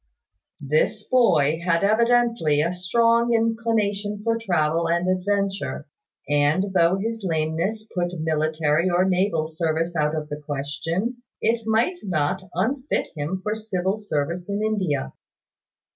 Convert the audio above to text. This boy had evidently a strong inclination for travel and adventure; and though his lameness put military or naval service out of the question, it might not unfit him for civil service in India.